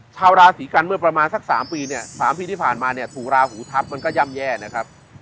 ชาวราศีกันเมื่อประมาณสัก๓ปีเนี่ย๓ปีที่ผ่านมาเนี่ยถูกราหูทัพมันก็ย่ำแย่นะครับ